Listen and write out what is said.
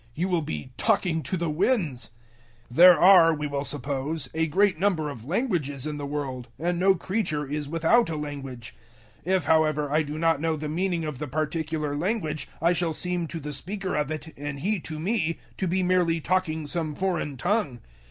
You will be talking to the winds. 014:010 There are, we will suppose, a great number of languages in the world, and no creature is without a language. 014:011 If, however, I do not know the meaning of the particular language, I shall seem to the speaker of it, and he to me, to be merely talking some foreign tongue.